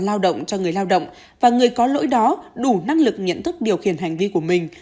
lao động cho người lao động và người có lỗi đó đủ năng lực nhận thức điều khiển hành vi của mình